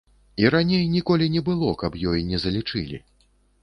І раней ніколі не было, каб ёй не залічылі.